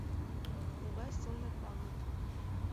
Могай сылне пагыт!